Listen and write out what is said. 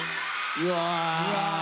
うわ！